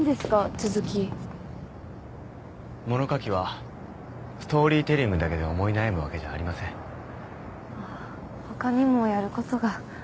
続き物書きはストーリーテリングだけで思い悩むわけじゃありませんほかにもやることが？